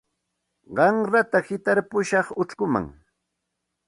Qanrata hitarpushaq uchkuman.